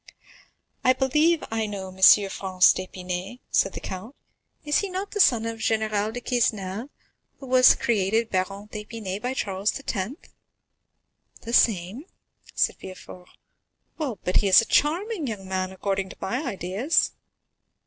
"I believe I know M. Franz d'Épinay," said the count; "is he not the son of General de Quesnel, who was created Baron d'Épinay by Charles X.?" "The same," said Villefort. "Well, but he is a charming young man, according to my ideas."